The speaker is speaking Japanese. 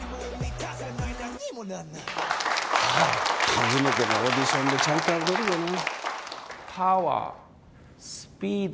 初めてのオーディションでちゃんと踊るよね。